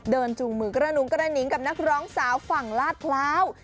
จูงมือกระหนุงกระหิงกับนักร้องสาวฝั่งลาดพร้าว